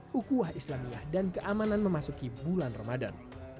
hukumah islamiyah dan keamanan memasuki bulan ramadan